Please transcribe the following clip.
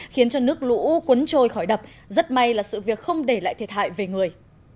khiến cho nước lũ cuốn trôi khỏi đập rất may là sự việc không để lại thiệt hại về người